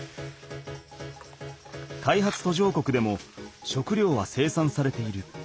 開発途上国でも食料は生産されている。